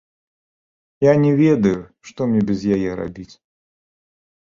Я не ведаю, што мне без яе рабіць.